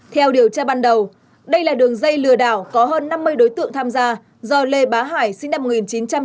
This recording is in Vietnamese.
theo điều tra ban đầu đây là đường dây lừa đảo có hơn năm mươi đối tượng tham gia do lê bá hải sinh năm một nghìn chín trăm tám mươi